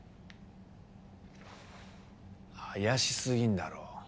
怪しすぎるだろ。